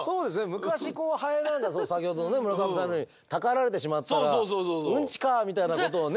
昔ハエなんか先ほどの村上さんの言うようにたかられてしまったら「ウンチかあ」みたいなことを言う